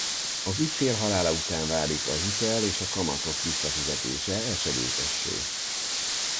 Az ügyfél halála után válik a hitel és a kamatok visszafizetése esedékessé.